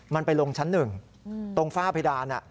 มันไปลงชั้นหนึ่งตรงฝ้าพิดาน